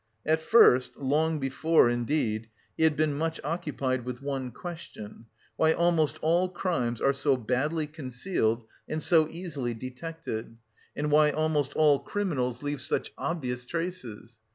At first long before indeed he had been much occupied with one question; why almost all crimes are so badly concealed and so easily detected, and why almost all criminals leave such obvious traces?